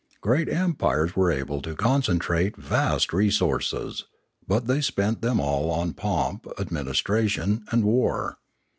Great empires are able to concentrate vast resources; but they spend them all on pomp, administration, and war.